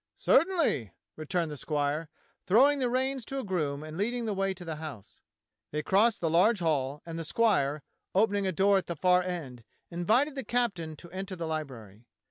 "Certainly," returned the squire, throwing the reins to a groom and leading the way to the house. They crossed the large hall, and the squire, opening a door at the far end, invited the captain to enter the library.